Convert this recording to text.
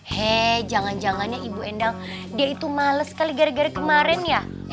hei jangan jangan ya ibu endang dia itu males sekali gara gara kemarin ya